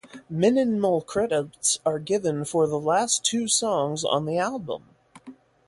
Mininmal credits are given for the last two songs on the album.